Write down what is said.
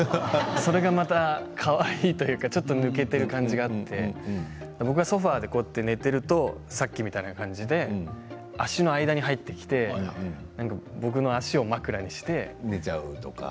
それがまたかわいいというかちょっと抜けている感じがあって僕がソファーで寝ているとさっきみたいな感じで足の間に入ってきて寝ちゃうとか。